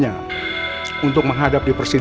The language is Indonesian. aku harus berhasil